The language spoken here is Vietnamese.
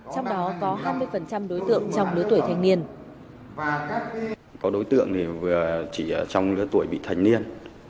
trong đó có hai mươi đối tượng trong lứa tuổi thanh niên